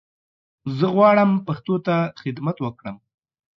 زه غواړم پښتو ته خدمت وکړم